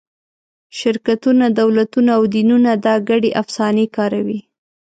شرکتونه، دولتونه او دینونه دا ګډې افسانې کاروي.